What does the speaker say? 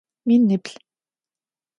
Миниплӏ.